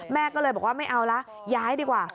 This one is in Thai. แม่ก็เลยบอกว่าไม่เอาละย้ายดีกว่า